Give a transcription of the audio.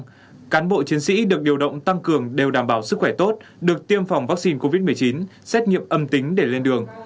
các cán bộ chiến sĩ được điều động tăng cường đều đảm bảo sức khỏe tốt được tiêm phòng vaccine covid một mươi chín xét nghiệm âm tính để lên đường